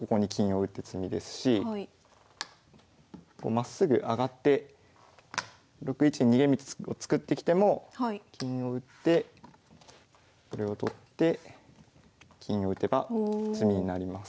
まっすぐ上がって６一に逃げ道を作ってきても金を打ってこれを取って金を打てば詰みになります。